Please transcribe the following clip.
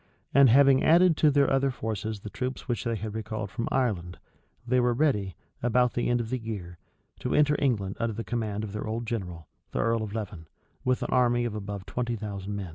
And having added to their other forces the troops which they had recalled from Ireland, they were ready, about the end of the year, to enter England, under the command of their old general, the earl of Leven, with an army of above twenty thousand men.